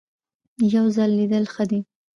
یو ځل لیدل ښه دي .